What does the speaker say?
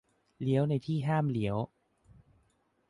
- เลี้ยวในที่ห้ามเลี้ยว